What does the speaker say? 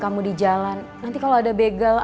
gak jadi lagi percuberan